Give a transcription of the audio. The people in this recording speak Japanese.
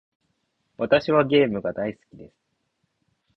私はゲームが大好きです。